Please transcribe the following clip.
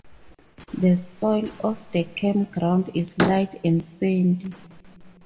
The soil of the campground is light and sandy.